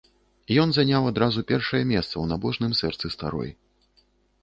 Ён заняў адразу першае месца ў набожным сэрцы старой.